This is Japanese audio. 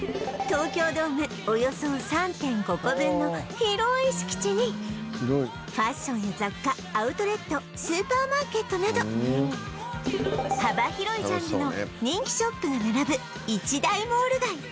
東京ドームおよそ ３．５ 個分の広い敷地にファッションや雑貨アウトレットスーパーマーケットなど幅広いジャンルの人気ショップが並ぶ一大モール街